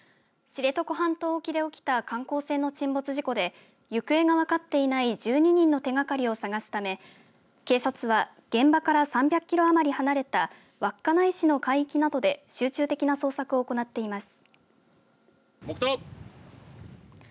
知床半島沖で起きた観光船の沈没事故で行方が分かっていない１２人の手がかりを探すため警察は、現場から３００キロ余り離れた稚内市の海域などで集中的な捜索を行っています。